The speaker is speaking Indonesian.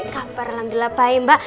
kabar alhamdulillah baik mbak